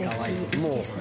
いいですね。